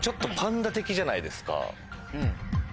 うん。